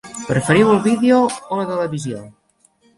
Preferiu el vídeo o la televisió?